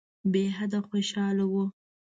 بېحده خوشاله وو.